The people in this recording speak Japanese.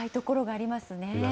ありますね。